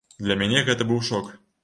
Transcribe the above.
Для мяне гэта быў шок.